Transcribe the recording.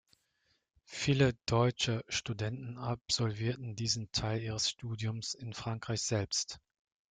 Viele deutsche Studenten absolvierten diesen Teil ihres Studiums in Frankreich selbst.